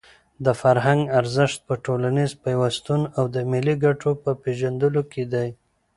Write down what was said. د فرهنګ ارزښت په ټولنیز پیوستون او د ملي ګټو په پېژندلو کې دی.